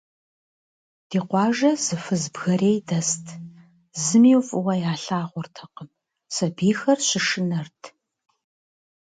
Ди къуажэ зы фыз бгэрей дэст, зыми фӏыуэ ялъагъуртэкъым, сабийхэр щышынэрт.